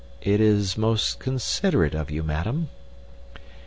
"It is most considerate of you, madam."